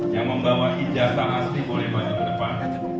yang membawa ijazah asli boleh maju ke depan